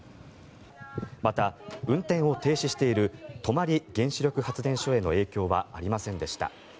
また、運転を停止している泊原子力発電所への影響はありませんでした。